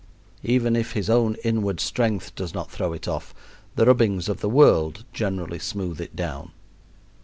Even if his own inward strength does not throw it off, the rubbings of the world generally smooth it down.